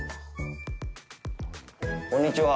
こんにちは。